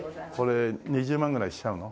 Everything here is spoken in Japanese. これ２０万ぐらいしちゃうの？